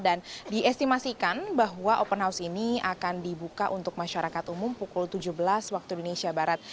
diestimasikan bahwa open house ini akan dibuka untuk masyarakat umum pukul tujuh belas waktu indonesia barat